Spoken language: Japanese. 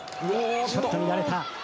ちょっと乱れた。